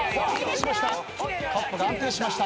カップが安定しました。